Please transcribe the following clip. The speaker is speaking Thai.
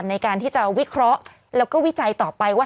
ในการที่จะวิเคราะห์แล้วก็วิจัยต่อไปว่า